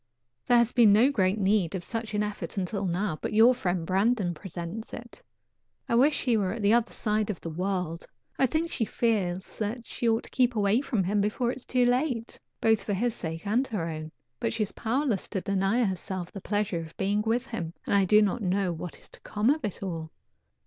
There has been no great need of such an effort until now, but your friend Brandon presents it. I wish he were at the other side of the world. I think she feels that she ought to keep away from him before it is too late, both for his sake and her own, but she is powerless to deny herself the pleasure of being with him, and I do not know what is to come of it all.